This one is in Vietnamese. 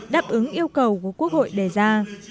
đáp ứng yêu cầu của quốc hội đề ra